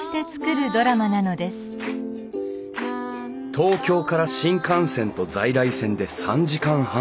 東京から新幹線と在来線で３時間半。